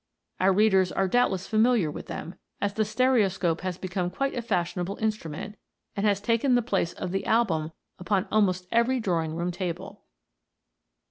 Our readers are doubtless familiar with them, as the stereoscope has become quite a fashion able instrument, and has taken the place of the album upon almost every drawing room table.